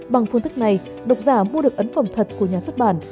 bằng phương thức này độc giả mua được ấn phẩm thật của nhà xuất bản